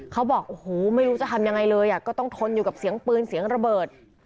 เขาบอกโอ้โหไม่รู้จะทำยังไงเลยก็ต้องทนอยู่กับเสียงปืนเสียงระเบิด